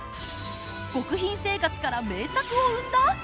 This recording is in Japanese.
極貧生活から名作を生んだ！？